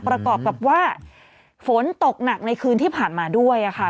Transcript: ประกอบกับว่าฝนตกหนักในคืนที่ผ่านมาด้วยค่ะ